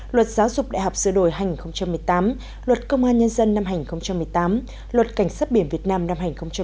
luật giáo dục đại học sửa đổi năm hai nghìn một mươi tám luật công an nhân dân năm hai nghìn một mươi tám luật cảnh sát biển việt nam năm hai nghìn một mươi tám